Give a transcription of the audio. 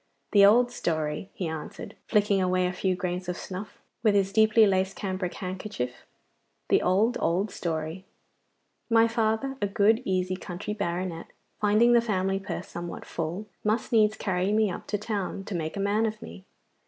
'The old story!' he answered, flicking away a few grains of snuff with his deeply laced cambric handkerchief. 'The old, old story! My father, a good, easy country baronet, finding the family purse somewhat full, must needs carry me up to town to make a man of me.